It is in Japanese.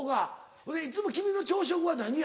ほいでいつも君の朝食は何や？